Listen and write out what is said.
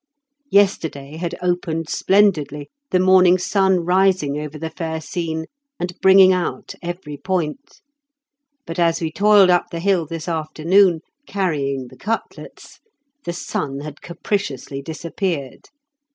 Yesterday had opened splendidly, the morning sun rising over the fair scene and bringing out every point. But as we toiled up the hill this afternoon, carrying the cutlets, the sun had capriciously disappeared.